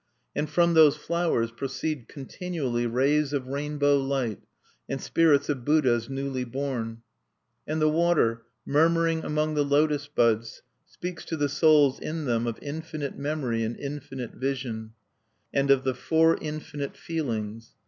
And from those flowers proceed continually rays of rainbow light, and spirits of Buddhas newly born. "And the water, murmuring among the lotos buds, speaks to the souls in them of Infinite Memory and Infinite Vision, and of the Four Infinite Feelings.